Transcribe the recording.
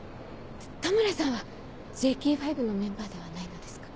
田村さんはＪＫ５のメンバーではないのですか？